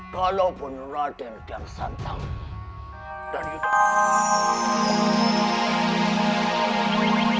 kalaupun ada tiansantang dan yudhakarat